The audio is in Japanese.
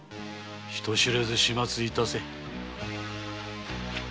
人知れず始末致せ。